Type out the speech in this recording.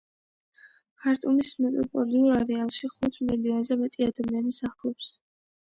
ხარტუმის მეტროპოლიურ არეალში ხუთ მილიონზე მეტი ადამიანი სახლობს.